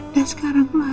dan sekarang mas